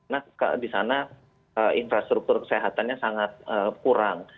karena di sana infrastruktur kesehatannya sangat kurang